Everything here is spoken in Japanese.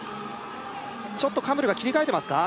ちょっとカムルが切り替えてますか？